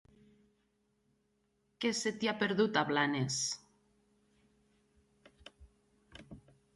Què se t'hi ha perdut, a Blanes?